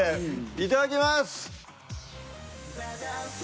いただきます！